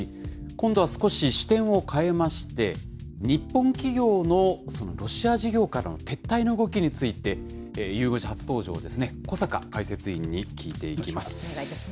今度は少し視点を変えまして、日本企業のロシア事業からの撤退の動きについて、ゆう５時初登場ですね、お願いします。